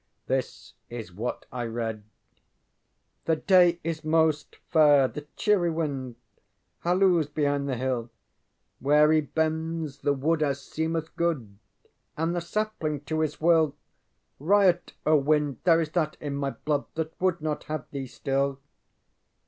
This is what I read: ŌĆ£The day is most fair, the cheery wind Halloos behind the hill, Where he bends the wood as seemeth good, And the sapling to his will! Riot O wind; there is that in my blood That would not have thee still!